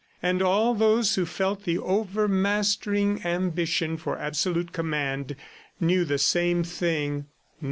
And all those who felt the overmastering ambition for absolute command knew the same thing